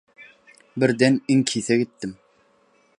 Birden iňkise gitdim.